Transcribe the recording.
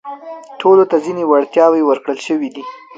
ټولو ته ځينې وړتياوې ورکړل شوي دي.